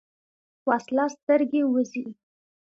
وسله سترګې وځي